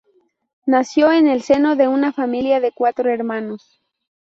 Nació en en el seno de una familia de cuatro hermanos.